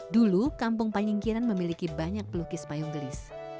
dulu kampung panyingkiran memiliki banyak pelukis payung gelis